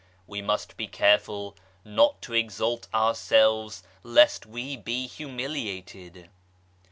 We must be careful not to exalt ourselves lest we be humiliated.